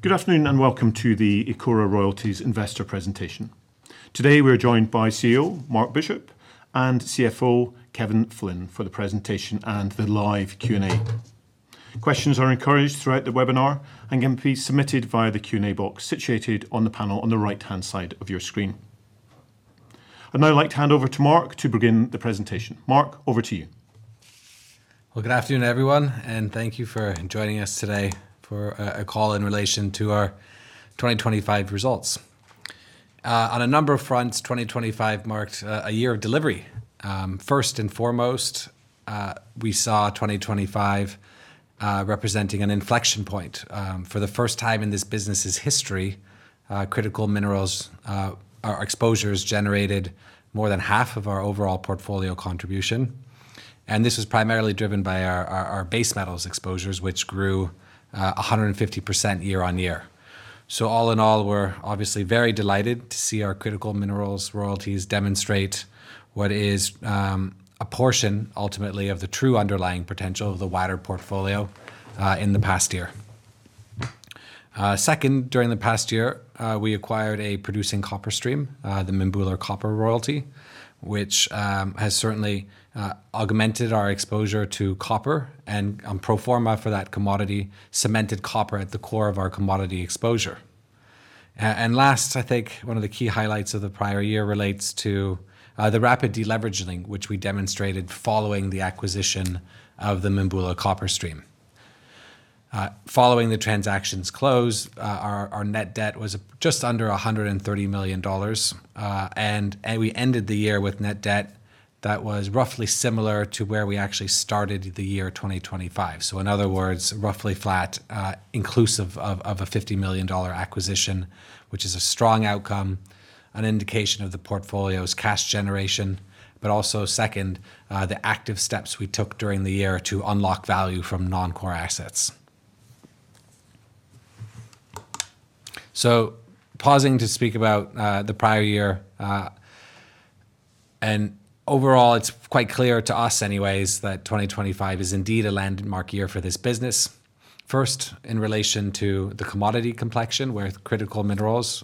Good afternoon. Welcome to the Ecora Royalties investor presentation. Today, we're joined by CEO Marc Bishop Lafleche and CFO Kevin Flynn for the presentation and the live Q&A. Questions are encouraged throughout the webinar and can be submitted via the Q&A box situated on the panel on the right-hand side of your screen. I'd now like to hand over to Marc to begin the presentation. Marc, over to you. Well, good afternoon, everyone, and thank you for joining us today for a call in relation to our 2025 results. On a number of fronts, 2025 marked a year of delivery. First and foremost, we saw 2025 representing an inflection point. For the first time in this business's history, critical minerals exposures generated more than half of our overall portfolio contribution, and this was primarily driven by our base metals exposures, which grew 150% year-on-year. All in all, we're obviously very delighted to see our critical minerals royalties demonstrate what is a portion ultimately of the true underlying potential of the wider portfolio in the past year. Second, during the past year, we acquired a producing copper stream, the Mimbula copper stream, which has certainly augmented our exposure to copper and pro forma for that commodity, cemented copper at the core of our commodity exposure. Last, I think one of the key highlights of the prior year relates to the rapid deleveraging, which we demonstrated following the acquisition of the Mimbula copper stream. Following the transaction's close, our net debt was just under $130 million, and we ended the year with net debt that was roughly similar to where we actually started the year 2025. In other words, roughly flat, inclusive of a $50 million acquisition, which is a strong outcome, an indication of the portfolio's cash generation, but also second, the active steps we took during the year to unlock value from non-core assets. Pausing to speak about the prior year, overall it's quite clear to us anyways that 2025 is indeed a landmark year for this business. First, in relation to the commodity complexion, where critical minerals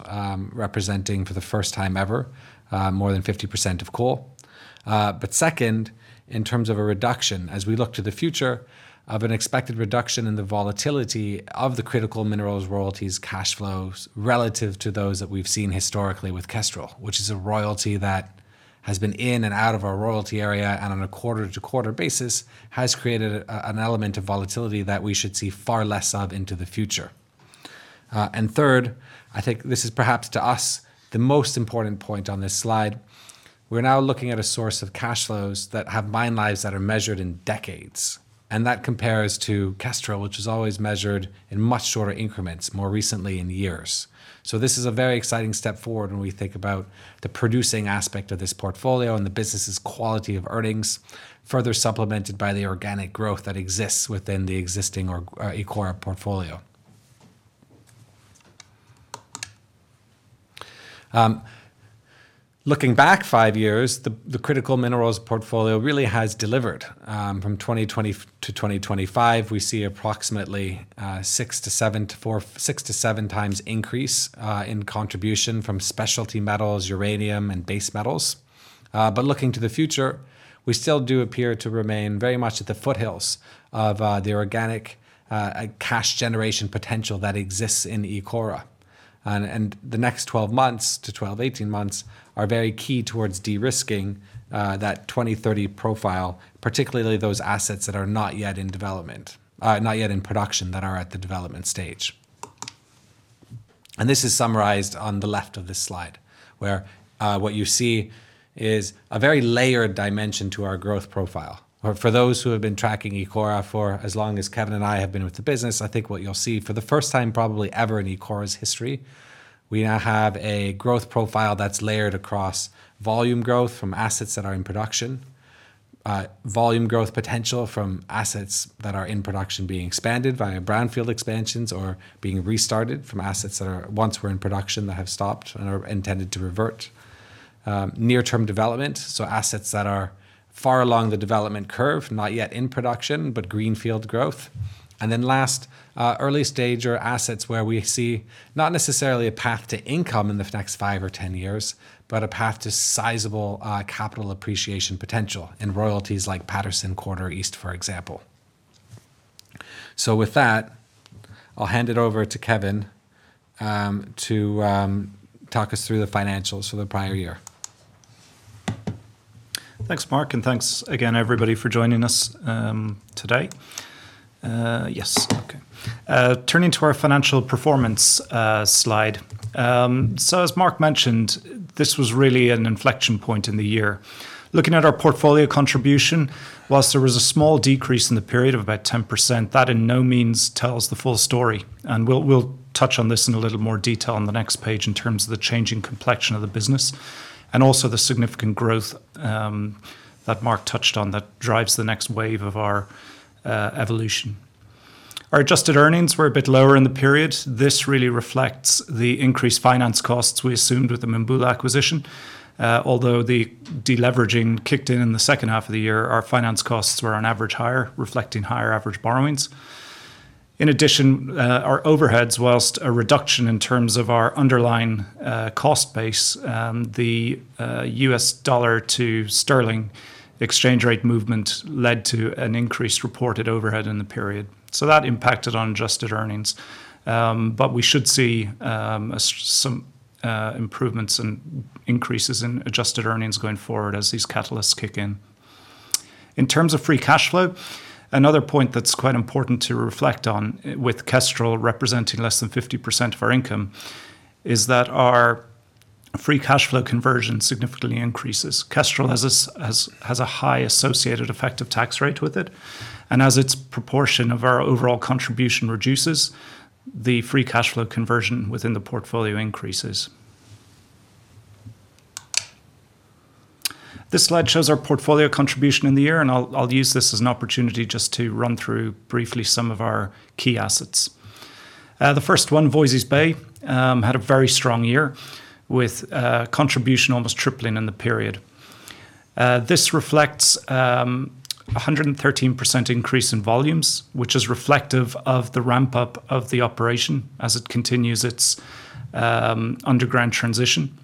representing for the first time ever, more than 50% of total. Second, in terms of a reduction, as we look to the future of an expected reduction in the volatility of the critical minerals royalties cash flows relative to those that we've seen historically with Kestrel, which is a royalty that has been in and out of our royalty area and on a quarter-to-quarter basis has created an element of volatility that we should see far less of into the future. Third, I think this is perhaps to us the most important point on this slide. We're now looking at a source of cash flows that have mine lives that are measured in decades, and that compares to Kestrel, which is always measured in much shorter increments, more recently in years. This is a very exciting step forward when we think about the producing aspect of this portfolio and the business's quality of earnings, further supplemented by the organic growth that exists within the existing Ecora portfolio. Looking back five years, the critical minerals portfolio really has delivered. From 2020-2025, we see approximately six-seven times increase in contribution from specialty metals, uranium, and base metals. Looking to the future, we still do appear to remain very much at the foothills of the organic cash generation potential that exists in Ecora. The next 12 months-18 months are very key towards de-risking that 2030 profile, particularly those assets that are not yet in production, that are at the development stage. This is summarized on the left of this slide, where what you see is a very layered dimension to our growth profile. For those who have been tracking Ecora for as long as Kevin and I have been with the business, I think what you'll see for the first time probably ever in Ecora's history, we now have a growth profile that's layered across volume growth from assets that are in production. Volume growth potential from assets that are in production being expanded via brownfield expansions or being restarted from assets that once were in production that have stopped and are intended to revert. Near-term development, so assets that are far along the development curve, not yet in production, but greenfield growth. Last, early stage are assets where we see not necessarily a path to income in the next five years or 10 years, but a path to sizable capital appreciation potential in royalties like Patterson Corridor East, for example. With that, I'll hand it over to Kevin to talk us through the financials for the prior year. Thanks, Marc, and thanks again everybody for joining us today. Yes. Okay. Turning to our financial performance slide. As Marc mentioned, this was really an inflection point in the year. Looking at our portfolio contribution, whilst there was a small decrease in the period of about 10%, that in no means tells the full story, and we'll touch on this in a little more detail on the next page in terms of the changing complexion of the business and also the significant growth that Marc touched on that drives the next wave of our evolution. Our adjusted earnings were a bit lower in the period. This really reflects the increased finance costs we assumed with the Mimbula acquisition. Although the deleveraging kicked in in the second half of the year, our finance costs were on average higher, reflecting higher average borrowings. In addition, our overheads, whilst a reduction in terms of our underlying cost base, the U.S. dollar to sterling exchange rate movement led to an increased reported overhead in the period. That impacted on adjusted earnings. We should see some improvements and increases in adjusted earnings going forward as these catalysts kick in. In terms of free cash flow, another point that's quite important to reflect on, with Kestrel representing less than 50% of our income, is that our free cash flow conversion significantly increases. Kestrel has a high associated effective tax rate with it, and as its proportion of our overall contribution reduces, the free cash flow conversion within the portfolio increases. This slide shows our portfolio contribution in the year, and I'll use this as an opportunity just to run through briefly some of our key assets. The first one, Voisey's Bay, had a very strong year, with contribution almost tripling in the period. This reflects 113% increase in volumes, which is reflective of the ramp-up of the operation as it continues its underground transition.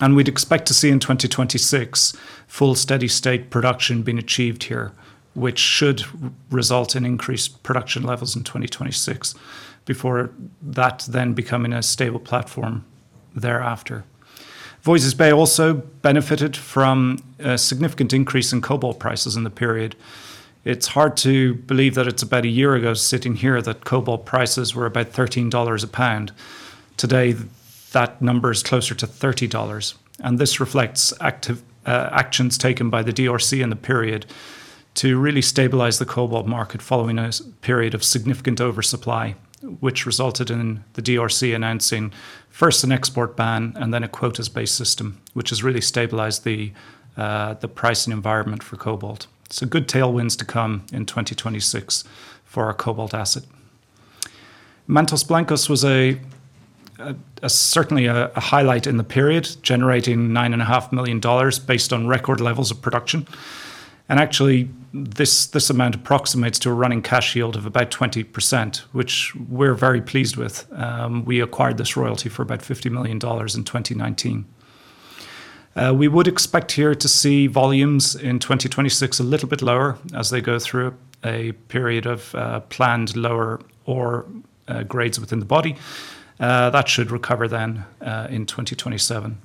We'd expect to see in 2026, full steady state production being achieved here, which should result in increased production levels in 2026, before that then becoming a stable platform thereafter. Voisey's Bay also benefited from a significant increase in cobalt prices in the period. It's hard to believe that it's about a year ago sitting here that cobalt prices were about $13 a pound. Today, that number is closer to $30. This reflects actions taken by the DRC in the period to really stabilize the cobalt market following a period of significant oversupply, which resulted in the DRC announcing first an export ban and then a quotas-based system, which has really stabilized the pricing environment for cobalt. Good tailwinds to come in 2026 for our cobalt asset. Mantos Blancos was certainly a highlight in the period, generating $9.5 million based on record levels of production. Actually, this amount approximates to a running cash yield of about 20%, which we're very pleased with. We acquired this royalty for about $50 million in 2019. We would expect here to see volumes in 2026 a little bit lower as they go through a period of planned lower ore grades within the body. That should recover then in 2027.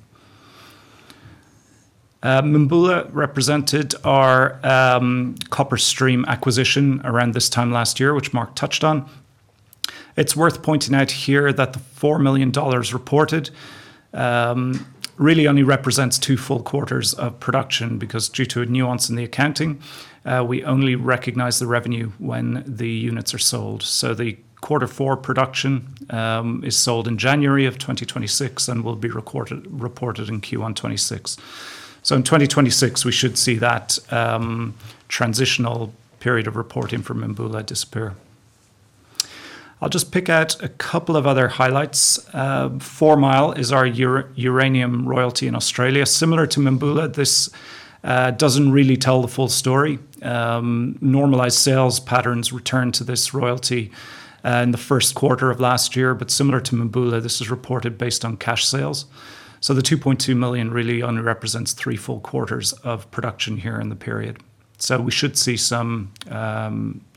Mimbula represented our copper stream acquisition around this time last year, which Marc touched on. It's worth pointing out here that the $4 million reported really only represents two full quarters of production, because due to a nuance in the accounting, we only recognize the revenue when the units are sold. The quarter four production is sold in January of 2026 and will be reported in Q1 2026. In 2026, we should see that transitional period of reporting for Mimbula-Despair. I'll just pick out a couple of other highlights. Four Mile is our uranium royalty in Australia. Similar to Mimbula, this doesn't really tell the full story. Normalized sales patterns returned to this royalty in the first quarter of last year, but similar to Mimbula, this is reported based on cash sales. The 2.2 million really only represents three full quarters of production here in the period. We should see some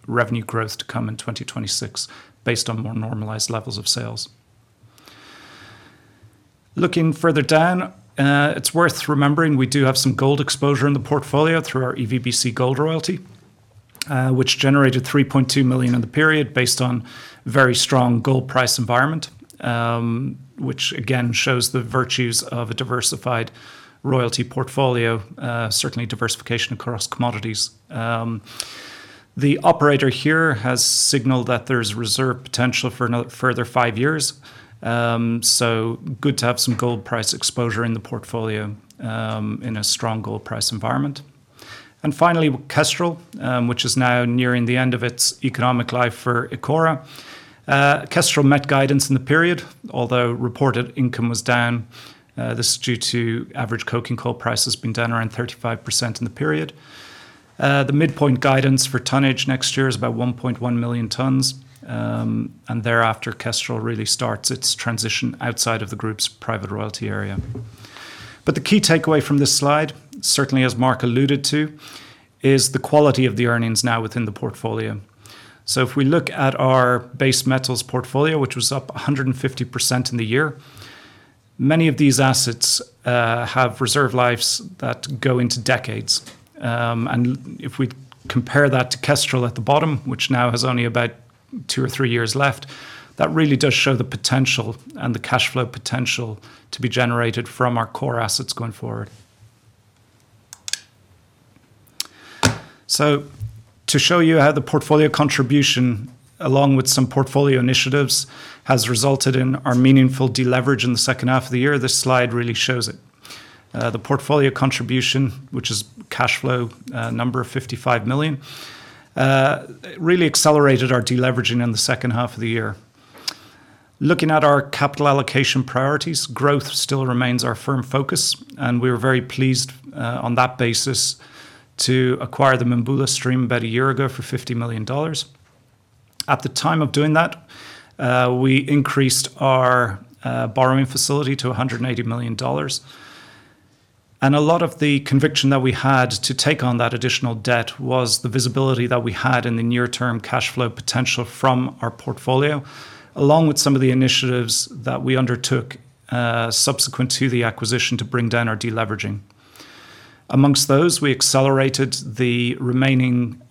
revenue growth to come in 2026 based on more normalized levels of sales. Looking further down, it's worth remembering we do have some gold exposure in the portfolio through our EVBC gold royalty, which generated 3.2 million in the period based on very strong gold price environment, which again shows the virtues of a diversified royalty portfolio, certainly diversification across commodities. The operator here has signaled that there's reserve potential for a further five years. Good to have some gold price exposure in the portfolio in a strong gold price environment. Finally, Kestrel, which is now nearing the end of its economic life for Ecora. Kestrel met guidance in the period, although reported income was down. This is due to average coking coal prices being down around 35% in the period. The midpoint guidance for tonnage next year is about 1.1 million tons. Thereafter, Kestrel really starts its transition outside of the group's private royalty area. The key takeaway from this slide, certainly as Marc alluded to, is the quality of the earnings now within the portfolio. If we look at our base metals portfolio, which was up 150% in the year, many of these assets have reserve lives that go into decades. If we compare that to Kestrel at the bottom, which now has only about two or three years left, that really does show the potential and the cash flow potential to be generated from our core assets going forward. To show you how the portfolio contribution, along with some portfolio initiatives, has resulted in our meaningful deleverage in the second half of the year, this slide really shows it. The portfolio contribution, which is cash flow number of 55 million, really accelerated our deleveraging in the second half of the year. Looking at our capital allocation priorities, growth still remains our firm focus, and we are very pleased on that basis to acquire the Mimbula stream about a year ago for $50 million. At the time of doing that, we increased our borrowing facility to $180 million. A lot of the conviction that we had to take on that additional debt was the visibility that we had in the near-term cash flow potential from our portfolio, along with some of the initiatives that we undertook subsequent to the acquisition to bring down our deleveraging. Amongst those, we accelerated the remaining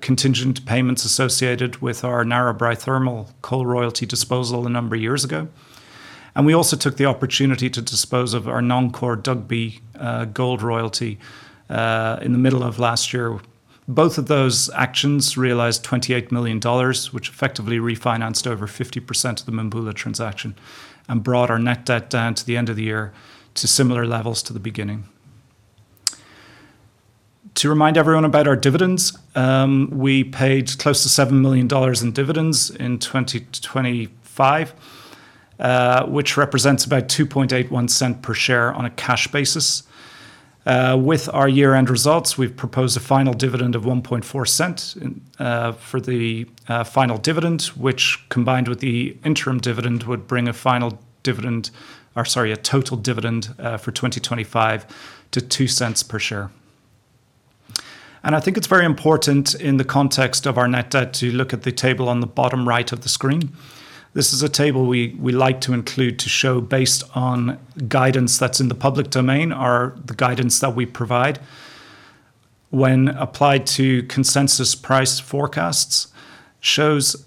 contingent payments associated with our Narrabri Thermal Coal royalty disposal a number of years ago. We also took the opportunity to dispose of our non-core Dugbe gold royalty in the middle of last year. Both of those actions realized $28 million, which effectively refinanced over 50% of the Mimbula transaction and brought our net debt down to the end of the year to similar levels to the beginning. To remind everyone about our dividends, we paid close to $7 million in dividends in 2025, which represents about $0.0281 per share on a cash basis. With our year-end results, we've proposed a final dividend of $0.014 for the final dividend, which combined with the interim dividend, would bring a total dividend for 2025 to $0.02 per share. I think it's very important in the context of our net debt to look at the table on the bottom right of the screen. This is a table we like to include to show, based on guidance that's in the public domain, the guidance that we provide. When applied to consensus price forecasts, it shows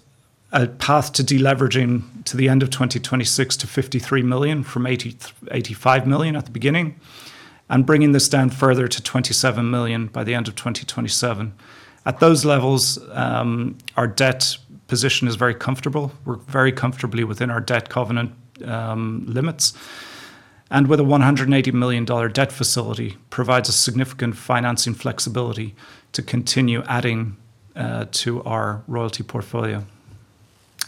a path to deleveraging to the end of 2026 to 53 million from 85 million at the beginning, and bringing this down further to 27 million by the end of 2027. At those levels, our debt position is very comfortable. We're very comfortably within our debt covenant limits. With a $180 million debt facility, it provides us significant financing flexibility to continue adding to our royalty portfolio.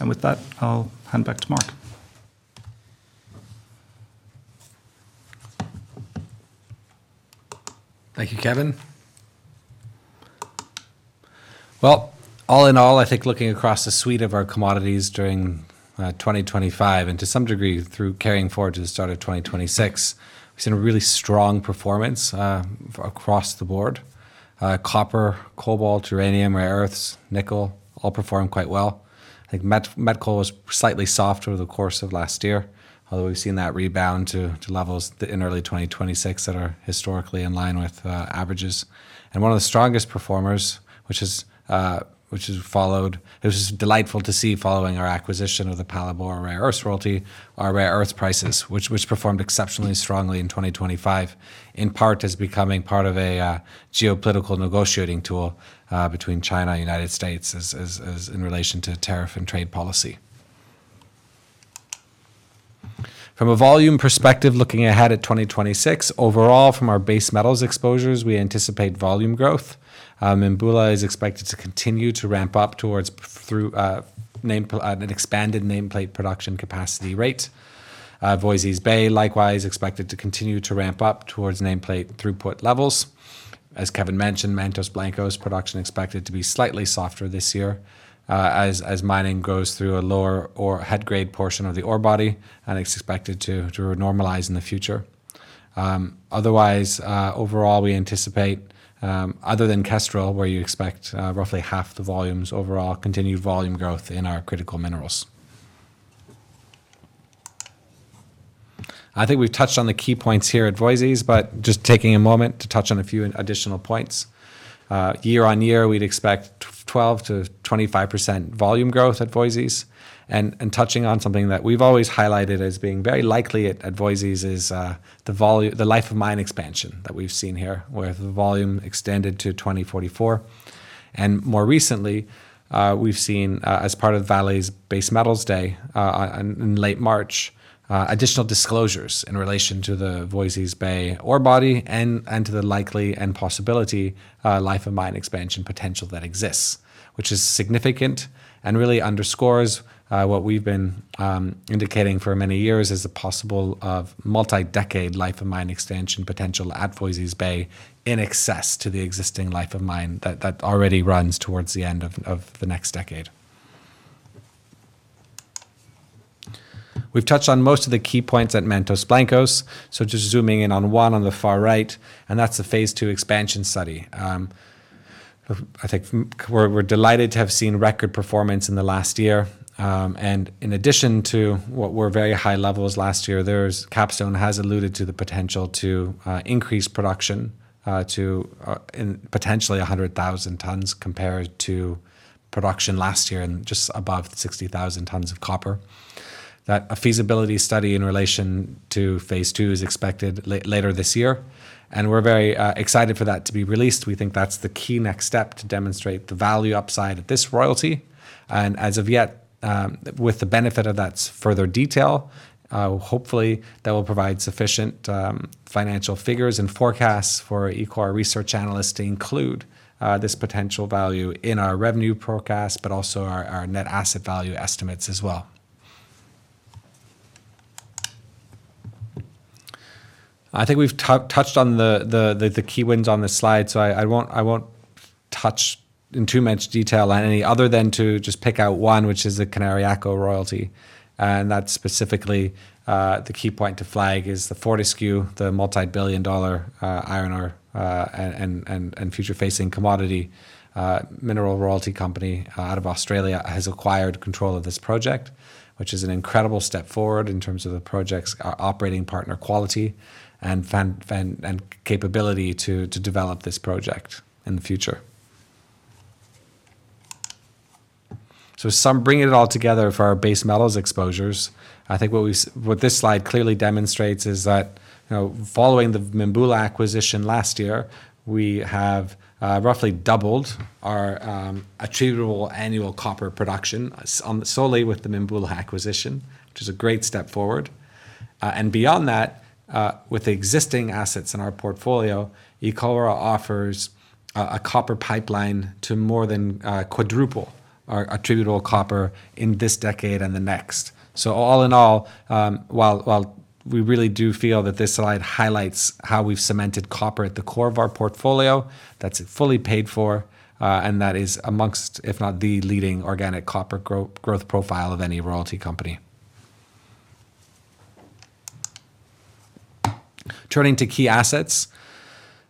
With that, I'll hand back to Marc. Thank you, Kevin. Well, all in all, I think looking across the suite of our commodities during 2025, and to some degree through carrying forward to the start of 2026, we've seen a really strong performance across the board. Copper, cobalt, uranium, rare earths, nickel, all performed quite well. I think met coal was slightly softer over the course of last year, although we've seen that rebound to levels in early 2026 that are historically in line with averages. One of the strongest performers, which is delightful to see following our acquisition of the Phalaborwa rare earths royalty, are rare earths prices, which performed exceptionally strongly in 2025, in part as becoming part of a geopolitical negotiating tool between China and United States as in relation to tariff and trade policy. From a volume perspective, looking ahead at 2026, overall from our base metals exposures, we anticipate volume growth. Mimbula is expected to continue to ramp up through an expanded nameplate production capacity rate. Voisey's Bay, likewise, is expected to continue to ramp up towards nameplate throughput levels. As Kevin mentioned, Mantos Blancos production is expected to be slightly softer this year, as mining goes through a lower ore head grade portion of the ore body. It's expected to normalize in the future. Otherwise, overall, we anticipate, other than Kestrel, where you expect roughly half the volumes, overall continued volume growth in our critical minerals. I think we've touched on the key points here at Voisey's. Just taking a moment to touch on a few additional points. Year-over-year, we'd expect 12%-25% volume growth at Voisey's. Touching on something that we've always highlighted as being very likely at Voisey's is the life of mine expansion that we've seen here, with volume extended to 2044. More recently, we've seen, as part of Vale's Base Metals Day in late March, additional disclosures in relation to the Voisey's Bay ore body and to the likely and possible life of mine expansion potential that exists, which is significant and really underscores what we've been indicating for many years is a possibility of multi-decade life of mine expansion potential at Voisey's Bay in excess of the existing life of mine that already runs towards the end of the next decade. We've touched on most of the key points at Mantos Blancos, so just zooming in on one on the far right, and that's the phase II expansion study. I think we're delighted to have seen record performance in the last year. In addition to what were very high levels last year, Capstone has alluded to the potential to increase production to potentially 100,000 tons compared to production last year and just above 60,000 tons of copper. That a feasibility study in relation to phase II is expected later this year, and we're very excited for that to be released. We think that's the key next step to demonstrate the value upside of this royalty. As of yet, with the benefit of that further detail, hopefully that will provide sufficient financial figures and forecasts for our equity research analysts to include this potential value in our revenue forecast, but also our Net Asset Value estimates as well. I think we've touched on the key wins on this slide, so I won't touch in too much detail on any other than to just pick out one, which is the Cañariaco royalty. That's specifically the key point to flag is the Fortescue, the multi-billion-dollar iron ore and future-facing commodity mineral royalty company out of Australia, has acquired control of this project, which is an incredible step forward in terms of the project's operating partner quality and capability to develop this project in the future. Bringing it all together for our base metals exposures, I think what this slide clearly demonstrates is that, following the Mimbula acquisition last year, we have roughly doubled our achievable annual copper production solely with the Mimbula acquisition, which is a great step forward. Beyond that, with the existing assets in our portfolio, Ecora offers a copper pipeline to more than quadruple our attributable copper in this decade and the next. All in all, while we really do feel that this slide highlights how we've cemented copper at the core of our portfolio, that's fully paid for, and that is amongst, if not the leading organic copper growth profile of any royalty company. Turning to key assets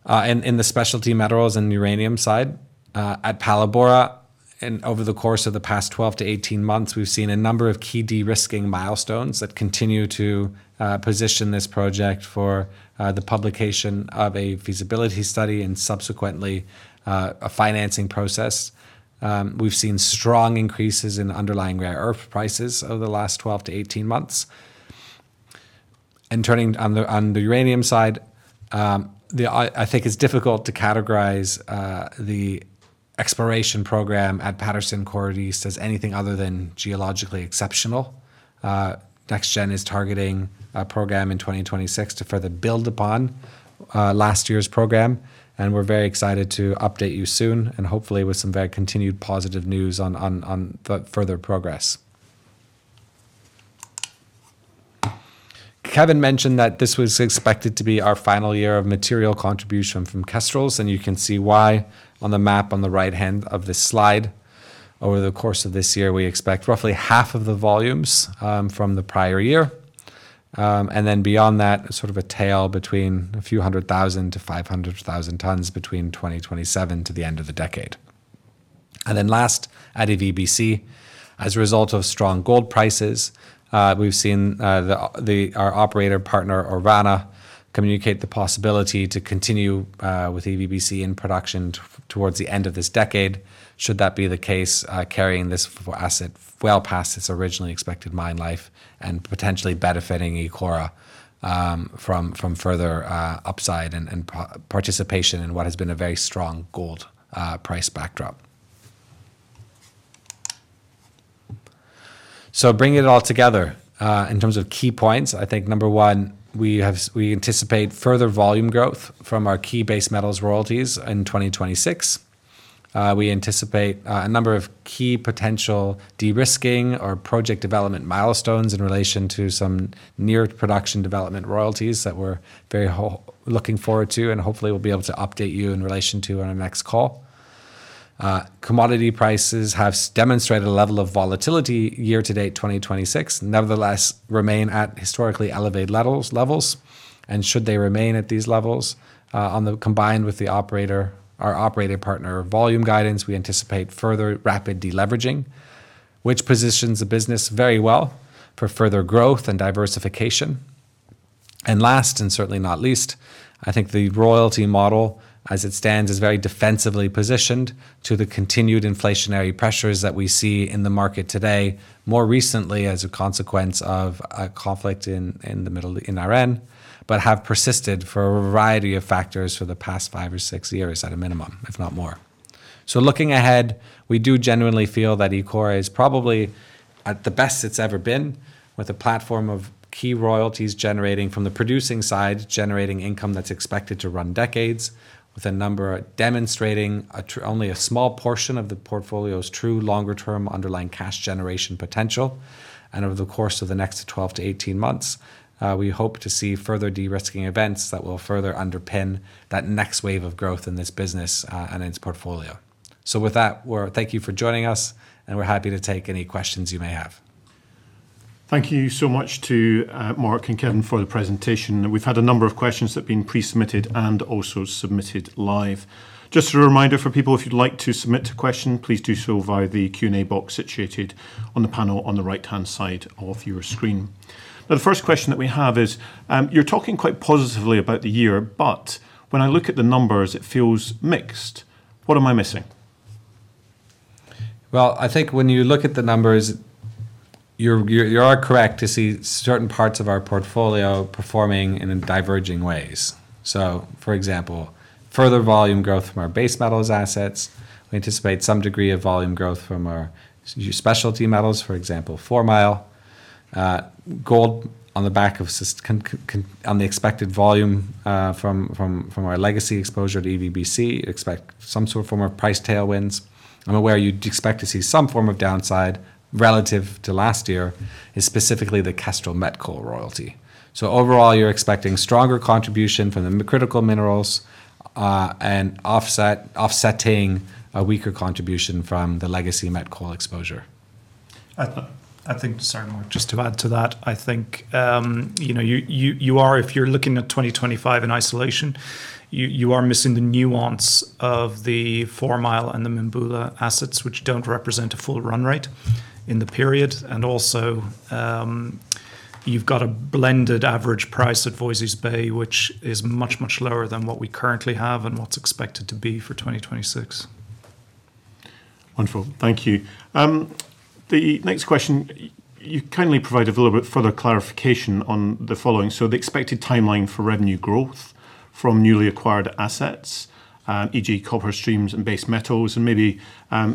in the specialty metals and uranium side, at Phalaborwa and over the course of the past 12 months-18 months, we've seen a number of key de-risking milestones that continue to position this project for the publication of a feasibility study and subsequently, a financing process. We've seen strong increases in underlying rare earth prices over the last 12 months-18 months. Turning to the uranium side, I think it's difficult to categorize the exploration program at Patterson Corridor East as anything other than geologically exceptional. NexGen is targeting a program in 2026 to further build upon last year's program, and we're very excited to update you soon and hopefully with some very continued positive news on further progress. Kevin mentioned that this was expected to be our final year of material contribution from Kestrel, and you can see why on the map on the right-hand of this slide. Over the course of this year, we expect roughly half of the volumes from the prior year. Beyond that, sort of a tail between a few hundred thousand to 500,000 tons between 2027 to the end of the decade. Last at EVBC, as a result of strong gold prices, we've seen our operator partner, Orvana, communicate the possibility to continue with EVBC in production towards the end of this decade, should that be the case, carrying this asset well past its originally expected mine life and potentially benefiting Ecora from further upside and participation in what has been a very strong gold price backdrop. Bringing it all together, in terms of key points, I think number one, we anticipate further volume growth from our key base metals royalties in 2026. We anticipate a number of key potential de-risking or project development milestones in relation to some near-production development royalties that we're very looking forward to and hopefully will be able to update you in relation to on our next call. Commodity prices have demonstrated a level of volatility year-to-date 2026, nevertheless, remain at historically elevated levels. Should they remain at these levels, combined with our operator partner volume guidance, we anticipate further rapid de-leveraging, which positions the business very well for further growth and diversification. Last, and certainly not least, I think the royalty model as it stands, is very defensively positioned to the continued inflationary pressures that we see in the market today, more recently as a consequence of a conflict in Iran, but have persisted for a variety of factors for the past five or six years at a minimum, if not more. Looking ahead, we do genuinely feel that Ecora is probably at the best it's ever been, with a platform of key royalties from the producing side, generating income that's expected to run decades, with a number demonstrating only a small portion of the portfolio's true longer-term underlying cash generation potential. Over the course of the next 12 months-18 months, we hope to see further de-risking events that will further underpin that next wave of growth in this business and its portfolio. With that, well, thank you for joining us, and we're happy to take any questions you may have. Thank you so much to Marc and Kevin for the presentation. We've had a number of questions that have been pre-submitted and also submitted live. Just a reminder for people, if you'd like to submit a question, please do so via the Q&A box situated on the panel on the right-hand side of your screen. Now, the first question that we have is, "You're talking quite positively about the year, but when I look at the numbers, it feels mixed. What am I missing? Well, I think when you look at the numbers, you are correct to see certain parts of our portfolio performing and in diverging ways, for example, further volume growth from our base metals assets. We anticipate some degree of volume growth from our specialty metals, for example, Four Mile. Gold, on the expected volume from our legacy exposure to EVBC, expect some sort of form of price tailwinds. Where you'd expect to see some form of downside relative to last year is specifically the Kestrel met coal royalty. Overall, you're expecting stronger contribution from the critical minerals and offsetting a weaker contribution from the legacy met coal exposure. I think, sorry, Marc, just to add to that, I think, if you're looking at 2025 in isolation, you are missing the nuance of the Four Mile and the Mimbula assets which don't represent a full run rate in the period. Also, you've got a blended average price at Voisey's Bay, which is much lower than what we currently have and what's expected to be for 2026. Wonderful. Thank you. The next question, you kindly provide a little bit further clarification on the following. The expected timeline for revenue growth from newly acquired assets, e.g., copper streams and base metals, and maybe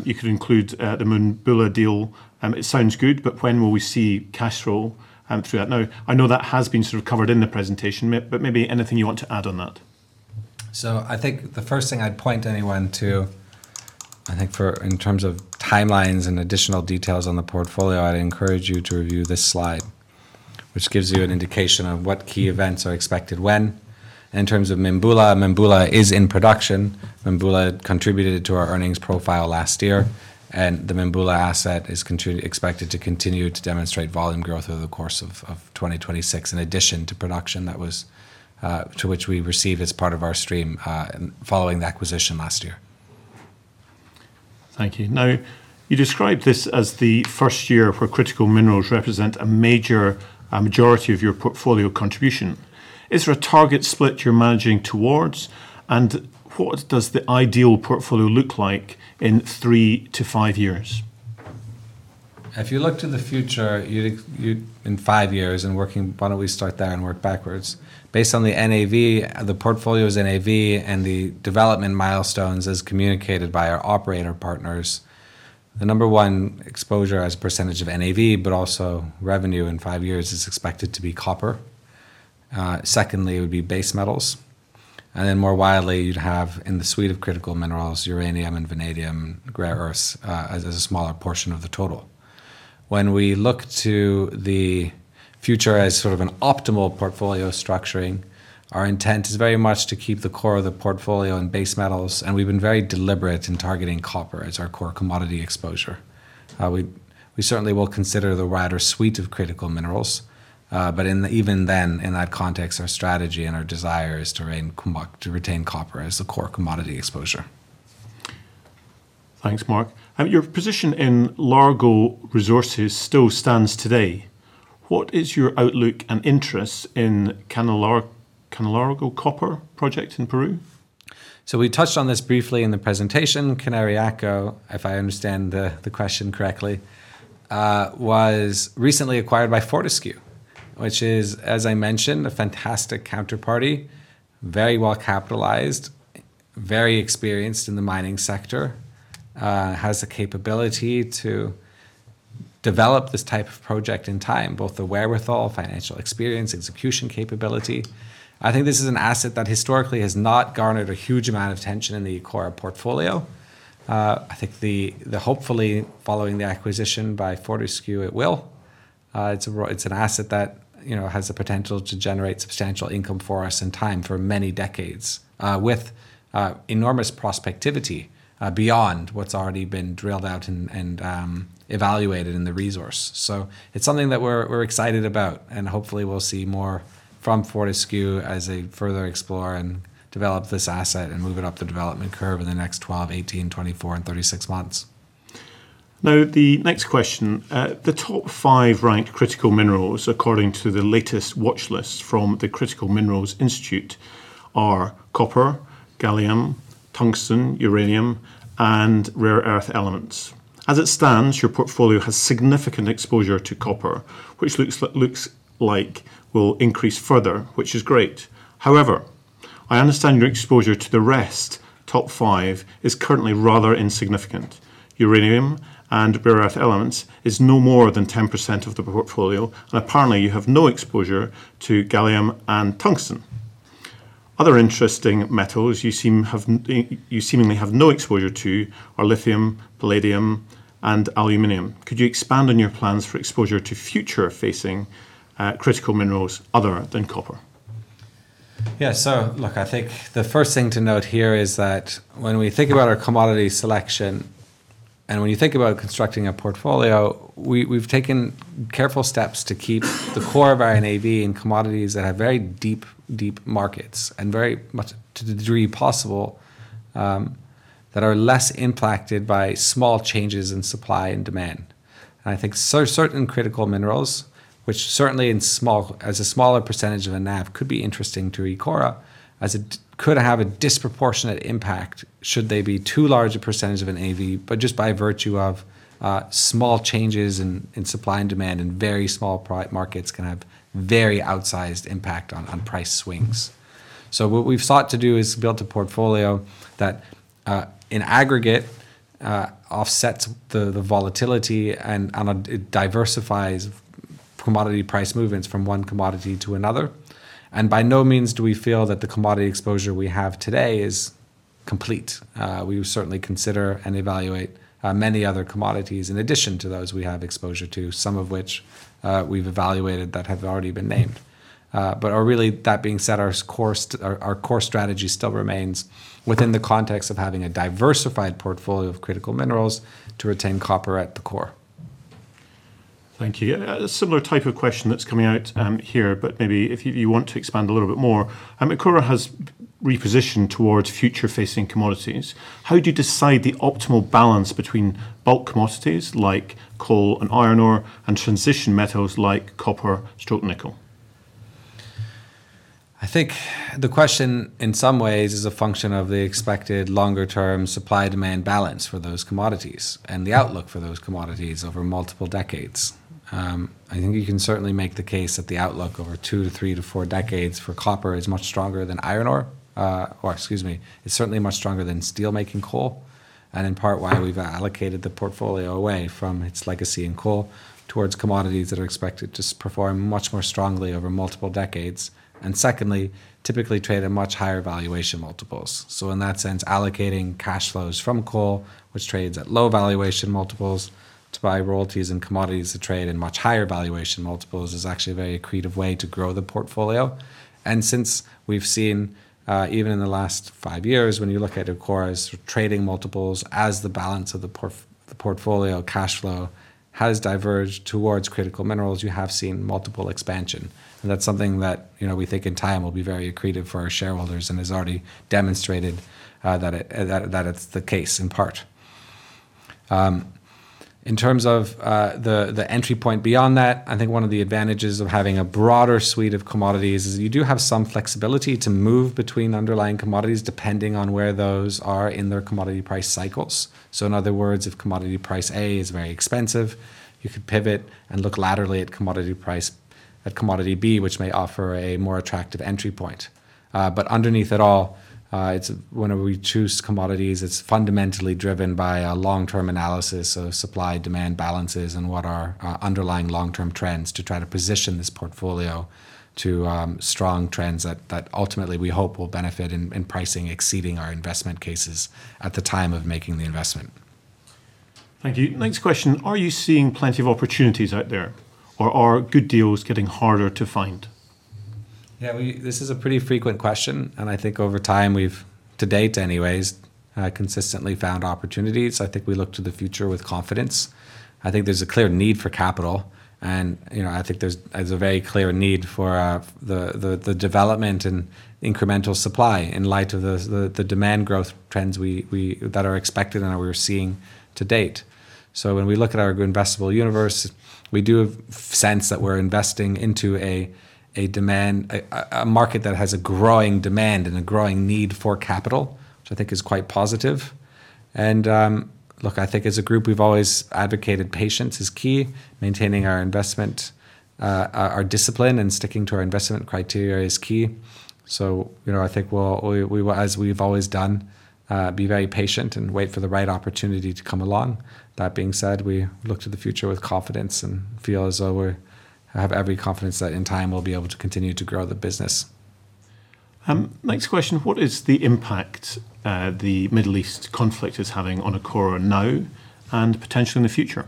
you could include the Mimbula deal. It sounds good, but when will we see cash flow through that? Now, I know that has been sort of covered in the presentation, but maybe anything you want to add on that. I think the first thing I'd point anyone to, I think in terms of timelines and additional details on the portfolio, I'd encourage you to review this slide, which gives you an indication of what key events are expected when. In terms of Mimbula is in production. Mimbula contributed to our earnings profile last year, and the Mimbula asset is expected to continue to demonstrate volume growth over the course of 2026, in addition to production to which we receive as part of our stream following the acquisition last year. Thank you. Now, you described this as the first year where critical minerals represent a majority of your portfolio contribution. Is there a target split you're managing towards? What does the ideal portfolio look like in three to five years? If you look to the future, in five years, why don't we start there and work backwards? Based on the NAV, the portfolio's NAV and the development milestones as communicated by our operator partners, the number one exposure as percentage of NAV, but also revenue in five years is expected to be copper. Secondly, it would be base metals. More widely, you'd have in the suite of critical minerals, uranium and vanadium, rare earths, as a smaller portion of the total. When we look to the future as sort of an optimal portfolio structuring, our intent is very much to keep the core of the portfolio in base metals, and we've been very deliberate in targeting copper as our core commodity exposure. We certainly will consider the wider suite of critical minerals. Even then, in that context, our strategy and our desire is to retain copper as the core commodity exposure. Thanks, Marc. Your position in Largo Resources still stands today. What is your outlook and interest in Cañariaco copper project in Peru? We touched on this briefly in the presentation. Cañariaco, if I understand the question correctly, was recently acquired by Fortescue, which is, as I mentioned, a fantastic counterparty, very well capitalized, very experienced in the mining sector, has the capability to develop this type of project in time, both the wherewithal, financial experience, execution capability. I think this is an asset that historically has not garnered a huge amount of attention in the Ecora portfolio. I think hopefully following the acquisition by Fortescue, it will. It's an asset that has the potential to generate substantial income for us in time for many decades, with enormous prospectivity beyond what's already been drilled out and evaluated in the resource. It's something that we're excited about, and hopefully we'll see more from Fortescue as they further explore and develop this asset and move it up the development curve in the next 12 months, 18 months, 24 months, and 36 months. Now, the next question. The top five ranked critical minerals, according to the latest watchlist from the Critical Minerals Institute, are copper, gallium, tungsten, uranium, and rare earth elements. As it stands, your portfolio has significant exposure to copper, which looks like will increase further, which is great. However, I understand your exposure to the rest top five is currently rather insignificant. Uranium and rare earth elements is no more than 10% of the portfolio, and apparently, you have no exposure to gallium and tungsten. Other interesting metals you seemingly have no exposure to are lithium, palladium, and aluminum. Could you expand on your plans for exposure to future-facing critical minerals other than copper? Yeah. Look, I think the first thing to note here is that when we think about our commodity selection and when you think about constructing a portfolio, we've taken careful steps to keep the core of our NAV in commodities that have very deep markets and very much to the degree possible, that are less impacted by small changes in supply and demand. I think certain critical minerals, which certainly as a smaller percentage of NAV, could be interesting to Ecora as it could have a disproportionate impact should they be too large a percentage of NAV, but just by virtue of small changes in supply and demand in very small private markets can have very outsized impact on price swings. What we've sought to do is build a portfolio that, in aggregate, offsets the volatility and it diversifies commodity price movements from one commodity to another. By no means do we feel that the commodity exposure we have today is complete. We certainly consider and evaluate many other commodities in addition to those we have exposure to, some of which we've evaluated that have already been named. Really, that being said, our core strategy still remains within the context of having a diversified portfolio of critical minerals to retain copper at the core. Thank you. A similar type of question that's coming out here, but maybe if you want to expand a little bit more. Ecora has repositioned towards future-facing commodities. How do you decide the optimal balance between bulk commodities, like coal and iron ore, and transition metals like copper and nickel? I think the question in some ways is a function of the expected longer-term supply-demand balance for those commodities and the outlook for those commodities over multiple decades. I think you can certainly make the case that the outlook over two to three to four decades for copper is much stronger than iron ore. Or, excuse me, is certainly much stronger than steel-making coal, and in part, why we've allocated the portfolio away from its legacy in coal towards commodities that are expected to perform much more strongly over multiple decades. And secondly, typically trade at much higher valuation multiples. So in that sense, allocating cash flows from coal, which trades at low valuation multiples, to buy royalties and commodities that trade in much higher valuation multiples is actually a very accretive way to grow the portfolio. Since we've seen, even in the last five years, when you look at Ecora's trading multiples as the balance of the portfolio cash flow has diverged towards critical minerals, you have seen multiple expansion. That's something that we think in time will be very accretive for our shareholders and has already demonstrated that it's the case, in part. In terms of the entry point beyond that, I think one of the advantages of having a broader suite of commodities is you do have some flexibility to move between underlying commodities, depending on where those are in their commodity price cycles. In other words, if commodity price A is very expensive, you could pivot and look laterally at commodity B, which may offer a more attractive entry points. Underneath it all, when we choose commodities, it's fundamentally driven by a long-term analysis of supply-demand balances and what are underlying long-term trends to try to position this portfolio to strong trends that ultimately we hope will benefit in pricing exceeding our investment cases at the time of making the investment. Thank you. Next question. Are you seeing plenty of opportunities out there, or are good deals getting harder to find? Yeah. This is a pretty frequent question, and I think over time we've, to date anyways, consistently found opportunities. I think we look to the future with confidence. I think there's a clear need for capital, and I think there's a very clear need for the development and incremental supply in light of the demand growth trends that are expected and that we're seeing to date. When we look at our investable universe, we do sense that we're investing into a market that has a growing demand and a growing need for capital, which I think is quite positive. Look, I think as a group, we've always advocated patience is key. Maintaining our discipline and sticking to our investment criteria is key. I think as we've always done, be very patient and wait for the right opportunity to come along. That being said, we look to the future with confidence and feel as though we have every confidence that in time we'll be able to continue to grow the business. Next question. What is the impact the Middle East conflict is having on Ecora now and potentially in the future?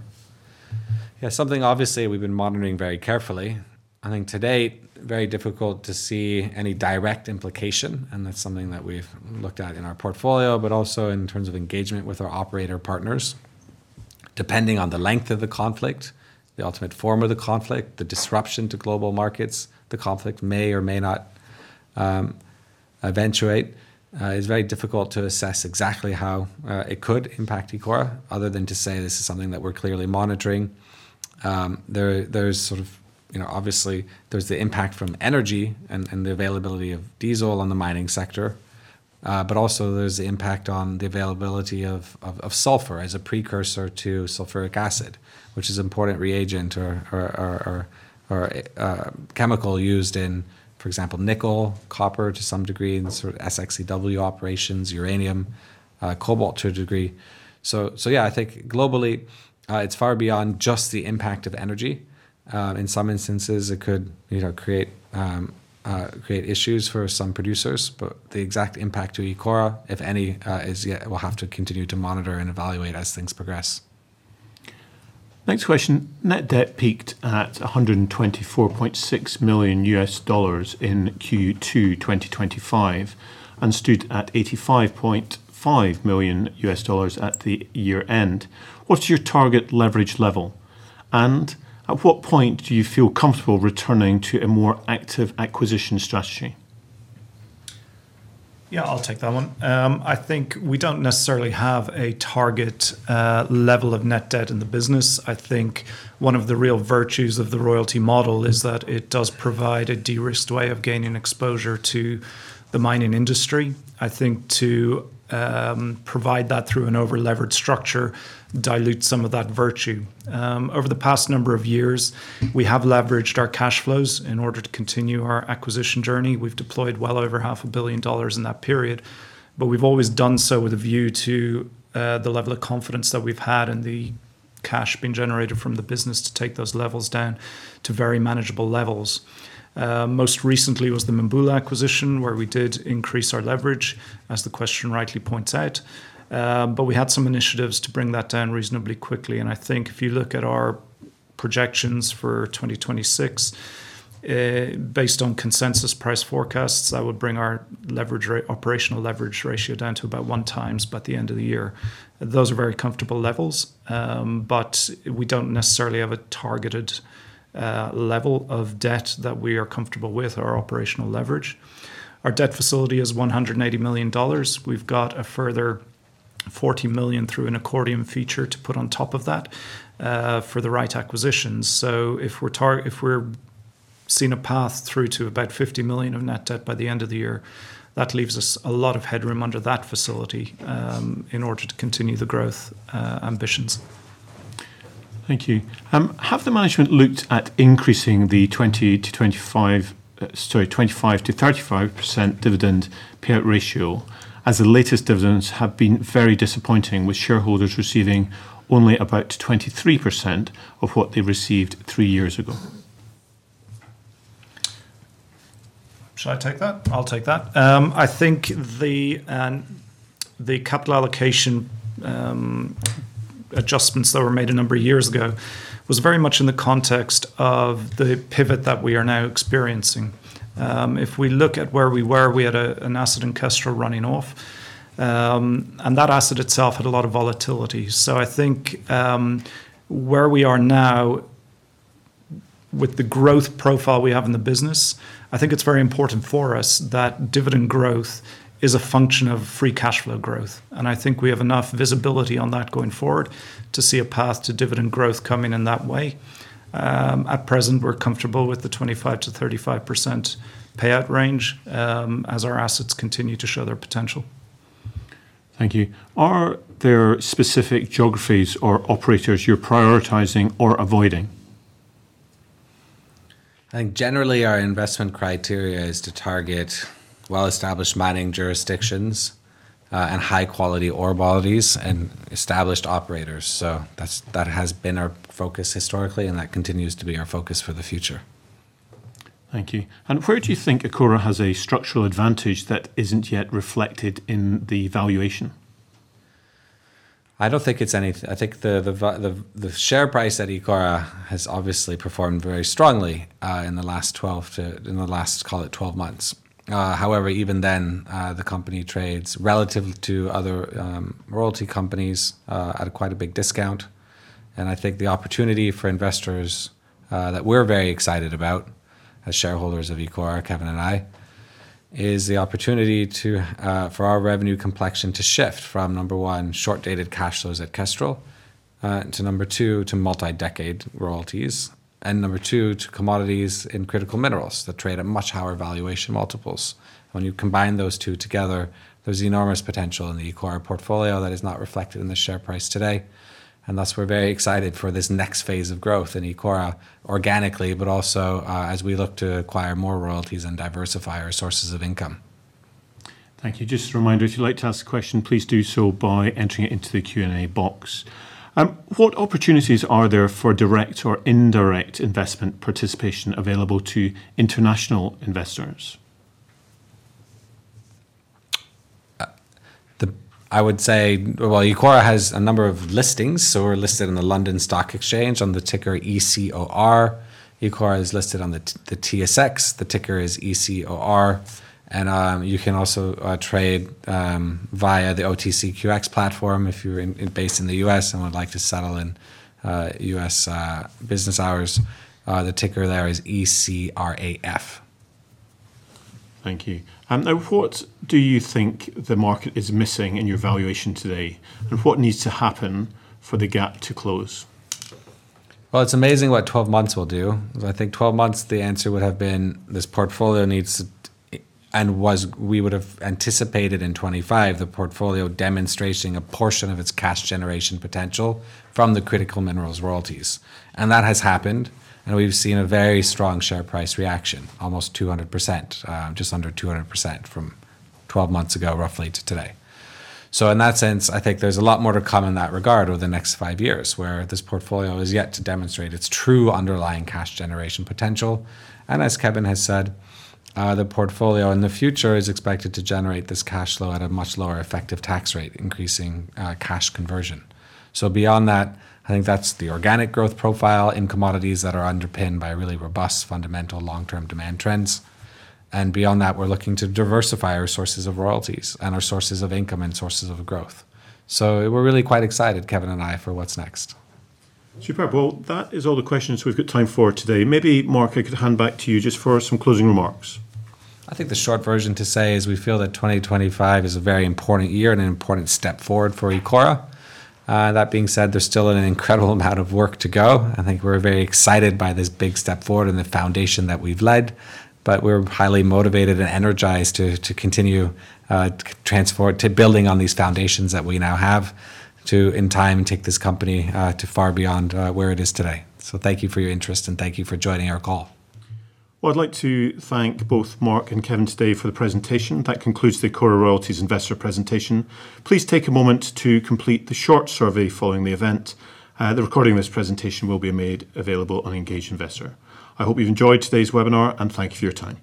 Yeah. Something, obviously, we've been monitoring very carefully. I think to date, very difficult to see any direct implication, and that's something that we've looked at in our portfolio, but also in terms of engagement with our operator partners. Depending on the length of the conflict, the ultimate form of the conflict, the disruption to global markets, the conflict may or may not eventuate. It's very difficult to assess exactly how it could impact Ecora other than to say this is something that we're clearly monitoring. Obviously, there's the impact from energy and the availability of diesel on the mining sector. Also, there's the impact on the availability of sulfur as a precursor to sulfuric acid, which is an important reagent or chemical used in, for example, nickel, copper to some degree in the SXEW operations, uranium, cobalt to a degree. Yeah, I think globally, it's far beyond just the impact of energy. In some instances, it could create issues for some producers. The exact impact to Ecora, if any, we'll have to continue to monitor and evaluate as things progress. Next question. Net debt peaked at $124.6 million in Q2 2025 and stood at $85.5 million at the year-end. What's your target leverage level? At what point do you feel comfortable returning to a more active acquisition strategy? Yeah, I'll take that one. I think we don't necessarily have a target level of net debt in the business. I think one of the real virtues of the royalty model is that it does provide a de-risked way of gaining exposure to the mining industry. I think to provide that through an over-leveraged structure dilutes some of that virtue. Over the past number of years, we have leveraged our cash flows in order to continue our acquisition journey. We've deployed well over half a billion dollars in that period, but we've always done so with a view to the level of confidence that we've had and the cash being generated from the business to take those levels down to very manageable levels. Most recently was the Mimbula acquisition, where we did increase our leverage, as the question rightly points out, but we had some initiatives to bring that down reasonably quickly. I think if you look at our projections for 2026, based on consensus price forecasts, that would bring our operational leverage ratio down to about one times by the end of the year. Those are very comfortable levels, but we don't necessarily have a targeted level of debt that we are comfortable with our operational leverage. Our debt facility is $180 million. We've got a further $40 million through an accordion feature to put on top of that for the right acquisitions. If we're seeing a path through to about $50 million of net debt by the end of the year, that leaves us a lot of headroom under that facility in order to continue the growth ambitions. Thank you. Have the management looked at increasing the 25%-35% dividend payout ratio, as the latest dividends have been very disappointing, with shareholders receiving only about 23% of what they received three years ago? Shall I take that? I'll take that. I think the capital allocation adjustments that were made a number of years ago was very much in the context of the pivot that we are now experiencing. If we look at where we were, we had an asset in Kestrel running off, and that asset itself had a lot of volatility. So I think where we are now with the growth profile we have in the business, I think it's very important for us that dividend growth is a function of free cash flow growth. And I think we have enough visibility on that going forward to see a path to dividend growth coming in that way. At present, we're comfortable with the 25%-35% payout range as our assets continue to show their potential. Thank you. Are there specific geographies or operators you're prioritizing or avoiding? I think generally our investment criteria is to target well-established mining jurisdictions, and high-quality ore bodies and established operators. That has been our focus historically, and that continues to be our focus for the future. Thank you. Where do you think Ecora has a structural advantage that isn't yet reflected in the valuation? I think the share price at Ecora has obviously performed very strongly in the last, call it 12 months. However, even then, the company trades relatively to other royalty companies at quite a big discount. I think the opportunity for investors that we're very excited about as shareholders of Ecora, Kevin and I, is the opportunity for our revenue complexion to shift from number one, short-dated cash flows at Kestrel, to number two, to multi-decade royalties, and number two, to commodities in critical minerals that trade at much higher valuation multiples. When you combine those two together, there's enormous potential in the Ecora portfolio that is not reflected in the share price today. We're very excited for this next phase of growth in Ecora organically, but also, as we look to acquire more royalties and diversify our sources of income. Thank you. Just a reminder, if you'd like to ask a question, please do so by entering it into the Q&A box. What opportunities are there for direct or indirect investment participation available to international investors? I would say, well, Ecora has a number of listings. We're listed on the London Stock Exchange on the ticker ECOR. Ecora is listed on the TSX. The ticker is ECOR, and you can also trade via the OTCQX platform if you're based in the U.S. and would like to settle in U.S. business hours. The ticker there is ECRAF. Thank you. What do you think the market is missing in your valuation today? What needs to happen for the gap to close? Well, it's amazing what 12 months will do. Because I think 12 months, the answer would have been this portfolio needs to, we would've anticipated in 2025 the portfolio demonstrating a portion of its cash generation potential from the critical minerals royalties. That has happened, and we've seen a very strong share price reaction, almost 200%, just under 200% from 12 months ago, roughly, to today. In that sense, I think there's a lot more to come in that regard over the next five years, where this portfolio is yet to demonstrate its true underlying cash generation potential. As Kevin has said, the portfolio in the future is expected to generate this cash flow at a much lower effective tax rate, increasing cash conversion. Beyond that, I think that's the organic growth profile in commodities that are underpinned by really robust, fundamental, long-term demand trends. Beyond that, we're looking to diversify our sources of royalties and our sources of income and sources of growth. We're really quite excited, Kevin and I, for what's next. Superb. Well, that is all the questions we've got time for today. Maybe, Marc, I could hand back to you just for some closing remarks. I think the short version to say is we feel that 2025 is a very important year and an important step forward for Ecora. That being said, there's still an incredible amount of work to go. I think we're very excited by this big step forward and the foundation that we've laid, but we're highly motivated and energized to continue to strive to build on these foundations that we now have to, in time, take this company to far beyond where it is today. Thank you for your interest, and thank you for joining our call. Well, I'd like to thank both Marc and Kevin today for the presentation. That concludes the Ecora Royalties investor presentation. Please take a moment to complete the short survey following the event. The recording of this presentation will be made available on Engage Investor. I hope you've enjoyed today's webinar, and thank you for your time.